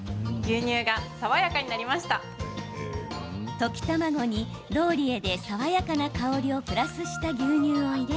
溶き卵に、ローリエで爽やかな香りをプラスした牛乳を入れ